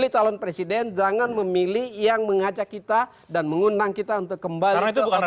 calon presiden jangan memilih yang mengajak kita dan mengundang kita untuk kembali